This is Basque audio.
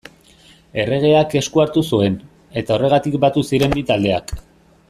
Erregeak esku hartu zuen, eta horregatik batu ziren bi taldeak.